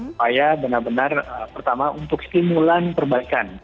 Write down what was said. supaya benar benar pertama untuk stimulan perbaikan